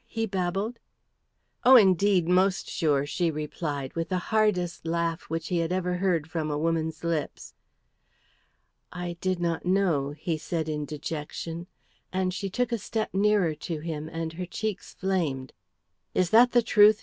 he babbled. "Oh, indeed, most sure," she replied with the hardest laugh which he had ever heard from a woman's lips. "I did not know," he said in dejection, and she took a step nearer to him, and her cheeks flamed. "Is that the truth?"